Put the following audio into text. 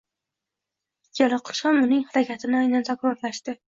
Ikkala qush ham uning harakatini aynan takrorlashdi